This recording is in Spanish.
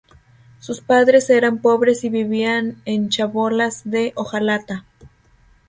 Sus padres eran pobres y vivían en chabolas de hojalata.